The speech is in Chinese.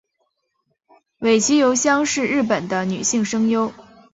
尾崎由香是日本的女性声优。